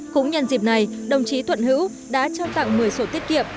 cũng nhân dịp này đồng chí thuận hữu đã trao tặng một mươi sổ tiết kiệm